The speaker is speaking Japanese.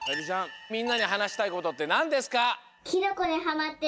みんなにはなしたいことってなんですか？